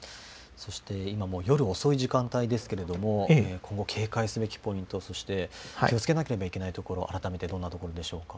そして今はもう夜遅い時間帯ですけれども警戒すべきポイント、そして気をつけなければいけないところ改めてどんなところでしょうか。